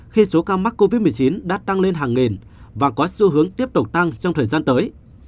khi số ca mắc covid một mươi chín đã tăng lên hàng nghìn và có xu hướng tiếp tục tăng trong thời gian tới